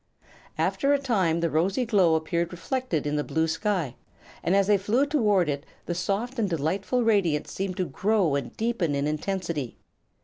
After a time the rosy glow appeared reflected in the blue sky, and as they flew toward it the soft and delightful radiance seemed to grow and deepen in intensity.